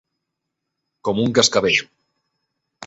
Com un cascavell.